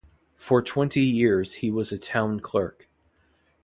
For twenty years he was town clerk.